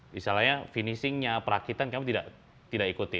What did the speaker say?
misalnya perakitan kami tidak ikut